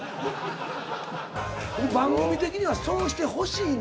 番組的にはそうしてほしいの。